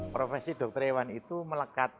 profesi dokter hewan itu melekat